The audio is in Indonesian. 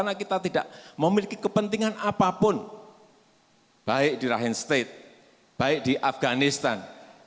karena kita tidak memiliki kepentingan apapun baik di rakhine state baik di afghanistan